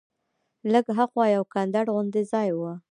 لږ ها خوا یو کنډر غوندې ځای و.